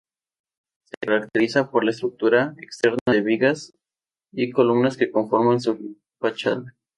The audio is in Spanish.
Se caracteriza por la estructura externa de vigas y columnas que conforman su fachada.